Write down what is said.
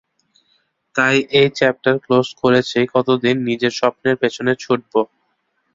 তাই এই chapter close করেছি কতদিন নিজের স্বপ্নের পেছনে ছুটব?